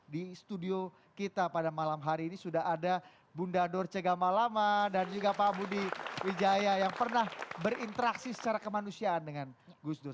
di studio kita pada malam hari ini sudah ada bunda dorce gamalama dan juga pak budi wijaya yang pernah berinteraksi secara kemanusiaan dengan gus dur